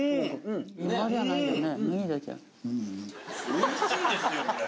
おいしいですねこれ。